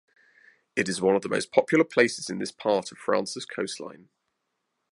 It is one of the most popular places in this part of France's coastline.